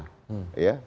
dengan apa berbenah